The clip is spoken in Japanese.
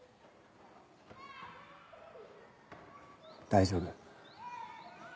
大丈夫。